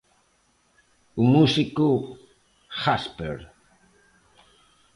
O músico Jásper.